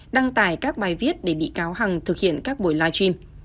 đăng tải các bài viết để bị cáo hằng thực hiện các buổi live stream